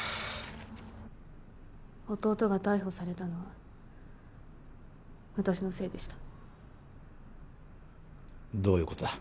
弟が逮捕されたのは私のせいでしたどういうことだ？